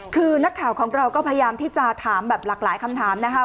คือนักข่าวของเราก็พยายามที่จะถามแบบหลากหลายคำถามนะคะ